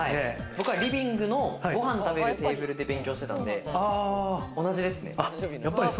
僕もリビングのご飯食べるテーブルで勉強してたので同じですね。